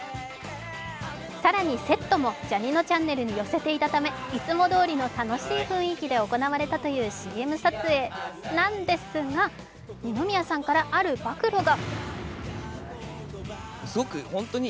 更に、セットも「ジャにのちゃんねる」に寄せていたため、いつもどおりの楽しい雰囲気で行われたというＣＭ撮影なんですが、二宮さんからある暴露が。